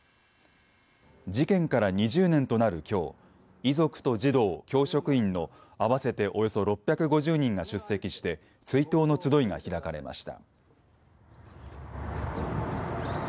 事件から２０年となるきょう遺族と児童、教職員の合わせておよそ６５０人が出席して追悼の集いが開かれました。